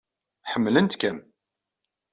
Ḥemmlent-kem!